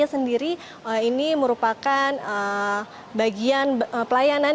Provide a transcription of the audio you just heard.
sendiri ini merupakan bagian pelayanan